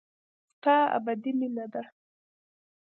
ستا ابدي مينه ده.